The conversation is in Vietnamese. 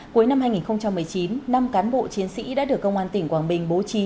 cuối năm hai nghìn một mươi chín năm cán bộ chiến sĩ đã được công an tỉnh quảng bình bố trí